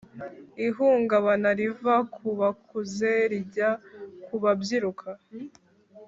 ihungabana riva ku bakuze rijya ku babyiruka .